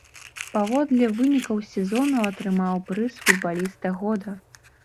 Паводле вынікаў сезону атрымаў прыз футбаліста года.